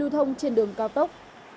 trên đường cao tốc